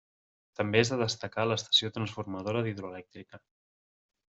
També és de destacar l'estació transformadora d'Hidroelèctrica.